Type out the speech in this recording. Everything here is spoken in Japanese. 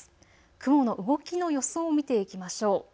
雲の動きの予想を見ていきましょう。